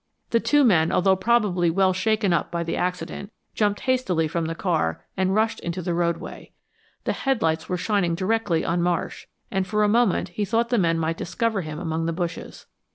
The two men, although probably well shaken up by the accident, jumped hastily from the car and rushed into the roadway. The headlights were shining directly on Marsh and for a moment he thought the men might discover him among the bushes.